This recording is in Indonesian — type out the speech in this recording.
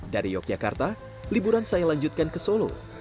dari yogyakarta liburan saya lanjutkan ke solo